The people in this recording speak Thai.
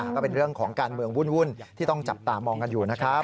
ก็เป็นเรื่องของการเมืองวุ่นที่ต้องจับตามองกันอยู่นะครับ